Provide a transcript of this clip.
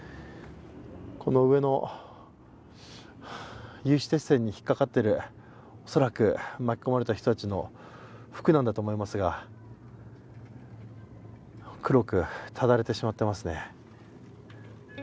この上の有刺鉄線に引っ掛かっている、恐らく巻き込まれた人の服なんだと思いますが、黒くただれてしまっていますね。